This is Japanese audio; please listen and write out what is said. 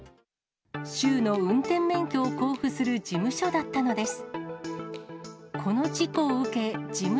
州の運転免許を交付する事務所だったのです。